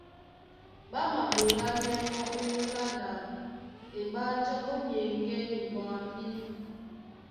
Ɓá maɓolánɛ́ mɔ́ ónyólá ɗā, eɓánjá ɓó nyɛŋgɛ̂ny ɓwambí.